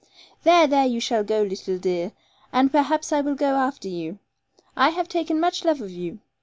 'There, there, you shall go, leetle dear, and perhaps I will go after you. I have taken much love of you.